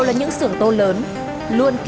nhiều dưới lần